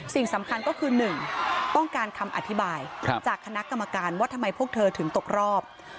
สิ่งสำคัญก็คือ๑ต้องการคำอธิบายจากคณะกรรมการว่าทำไมพวกเธอถึงตกรอบ